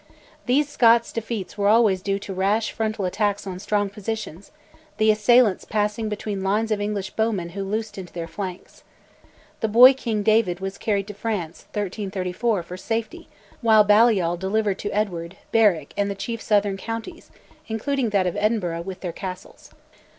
These Scots defeats were always due to rash frontal attacks on strong positions, the assailants passing between lines of English bowmen who loosed into their flanks. The boy king, David, was carried to France (1334) for safety, while Balliol delivered to Edward Berwick and the chief southern counties, including that of Edinburgh, with their castles.